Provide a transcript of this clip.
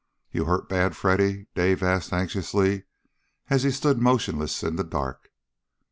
"You hurt bad, Freddy?" Dave asked anxiously as he stood motionless in the dark.